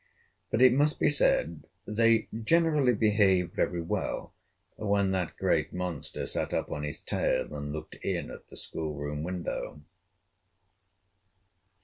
But it must be said they generally behaved very well when that great monster sat up on his tail and looked in at the school room window.